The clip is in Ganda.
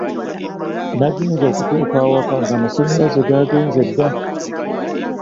Nagenze okutuuka awaka ng’amasannyalaze gaagenze dda.